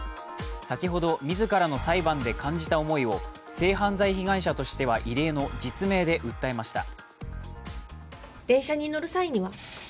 先ほど、自らの裁判で感じた思いを性犯罪被害者としては異例の実名で訴えました。